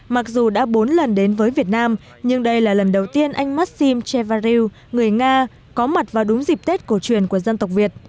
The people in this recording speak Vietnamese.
mặc dù đã bốn lần đến với việt nam nhưng đây là lần đầu tiên anh massim chevari người nga có mặt vào đúng dịp tết cổ truyền của dân tộc việt